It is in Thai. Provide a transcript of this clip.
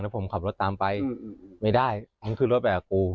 ผมขับรถตามไปไม่ได้มึงขึ้นรถไปกับกู